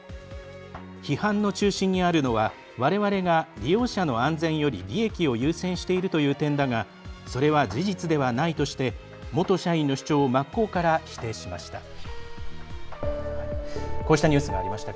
批判の中心にあるのはわれわれが利用者の安全より利益を優先しているという点だがそれは事実ではないとして元社員の主張を真っ向から否定しました。